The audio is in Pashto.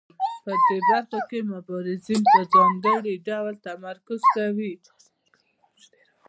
په دې برخه کې مبارزین پر ځانګړو ډلو تمرکز کوي.